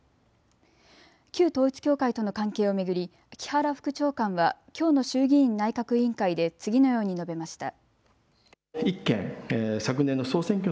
旧統一教会との関係を巡り木原副長官はきょうの衆議院内閣委員会で次のように述べました。